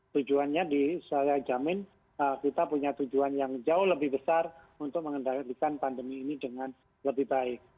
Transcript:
tujuannya saya jamin kita punya tujuan yang jauh lebih besar untuk mengendalikan pandemi ini dengan lebih baik